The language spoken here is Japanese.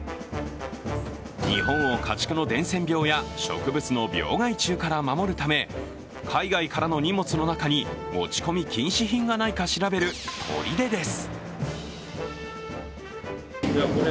日本を家畜の伝染病や植物の病害虫から守るため海外からの荷物の中に持ち込み禁止品がないか調べる砦です。